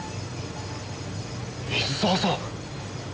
水沢さん！